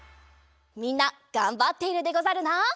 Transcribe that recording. みんながんばっているでござるな。